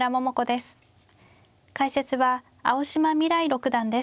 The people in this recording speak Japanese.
解説は青嶋未来六段です。